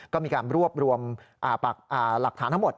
ก็มีการรวบรวมหลักฐานทั้งหมด